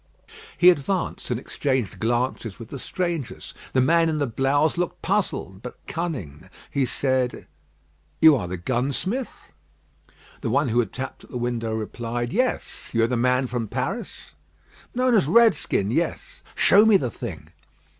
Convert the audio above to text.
He advanced and exchanged glances with the strangers. The man in the blouse looked puzzled, but cunning; he said "You are the gunsmith?" The one who had tapped at the window replied "Yes; you are the man from Paris?" "Known as Redskin. Yes." "Show me the thing."